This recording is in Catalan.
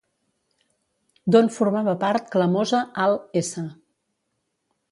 D'on formava part Clamosa al s.